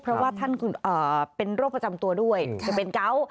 เพราะว่าท่านเป็นโรคประจำตัวด้วยจะเป็นเกาะ